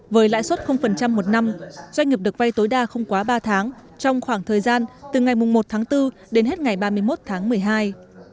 với lãi suất một năm doanh nghiệp được vay tối đa không quá ba tháng trong khoảng thời gian từ ngày một tháng bốn đến hết ngày ba mươi một tháng một mươi hai